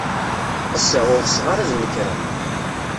Ass-a, ur ɣseɣ ara ad nekreɣ.